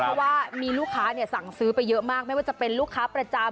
เพราะว่ามีลูกค้าสั่งซื้อไปเยอะมากไม่ว่าจะเป็นลูกค้าประจำ